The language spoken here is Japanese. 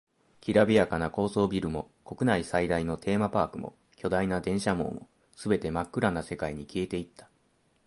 きらびやかな高層ビルも、国内最大のテーマパークも、巨大な電車網も、全て真っ暗な世界に消えていった。